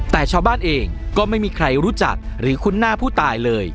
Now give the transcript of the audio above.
แต่ชาวบ้านเองก็ไม่มีใครรู้จักหรือคุ้นหน้าผู้ตายเลย